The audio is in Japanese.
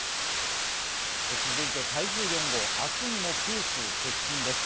続いて台風４号、明日にも九州接近です。